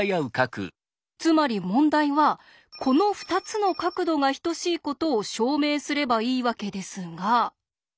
つまり問題はこの２つの角度が等しいことを証明すればいいわけですが。